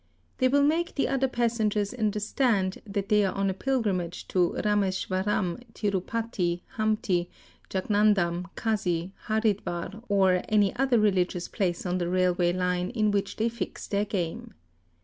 They will make the other passengers understand that they are on a pilgrimage to Rames OO ee varam, Tirupati, Hampi, Jaganadham, Kasi, Haridwar, or any other religious place on the railway line in which they fix their game.